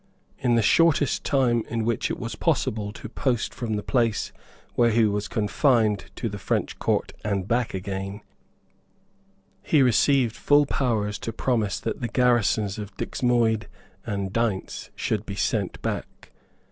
In the shortest time in which it was possible to post from the place where he was confined to the French Court and back again, he received full powers to promise that the garrisons of Dixmuyde and Deynse should be sent back.